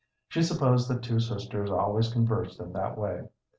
She supposed that two sisters always conversed in that way.